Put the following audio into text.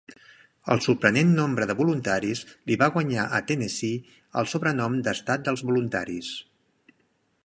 El sorprenent nombre de voluntaris li va guanyar a Tennessee el sobrenom d'Estat dels Voluntaris.